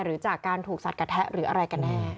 หรือจากการถูกสัดกระแทะหรืออะไรกันแน่